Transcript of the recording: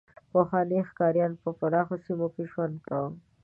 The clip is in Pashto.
پخواني ښکاریان به په پراخو سیمو کې ژوند کاوه.